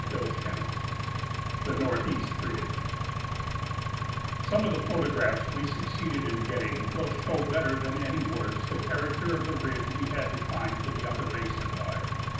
CHAPTER III THE NORTHEAST RIDGE Some of the photographs we succeeded in getting will show better than any words the character of the ridge we had to climb to the upper basin by.